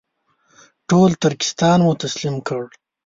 ټول ترکستان مو تسلیم کړ.